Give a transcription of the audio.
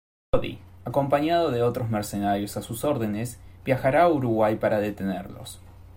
Cody, acompañado de otros mercenarios a sus órdenes, viajará a Uruguay para detenerlos.